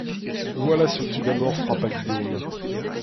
Voilà ce qui d'abord frappa Guillaume.